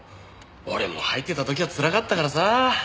俺も入ってた時はつらかったからさあ。